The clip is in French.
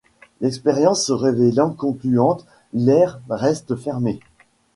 L'expérience se révélant concluante, l’air reste fermée.